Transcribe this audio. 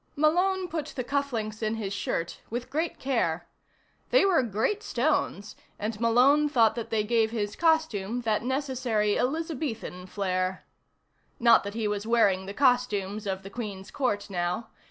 Malone put the cufflinks in his shirt with great care. They were great stones, and Malone thought that they gave his costume that necessary Elizabethan flair. Not that he was wearing the costumes of the Queen's Court now.